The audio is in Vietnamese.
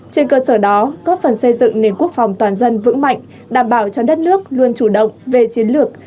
trên cơ sở đó góp phần xây dựng nền quốc phòng toàn dân vững mạnh đảm bảo cho đất nước luôn chủ động về chiến lược